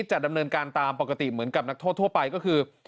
จะดำเนินการตามปกติเหมือนกับนักโทษทั่วไปก็คือ